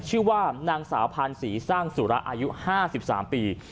ชื่อว่านางสาวพานศรีสร้างสุระอายุ๕๓ปี